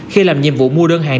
khi làm nhiệm vụ mua đơn hàng